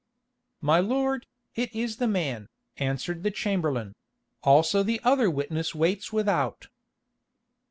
"My lord, it is the man," answered the chamberlain; "also the other witness waits without."